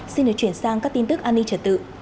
xin được chuyển sang các tin tức an ninh trật tự